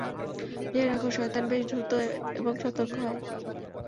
জেনে রাখো, শয়তান বেশ ধূর্ত এবং সতর্ক হয়।